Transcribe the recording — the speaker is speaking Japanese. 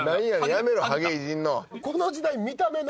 やめろハゲいじんの。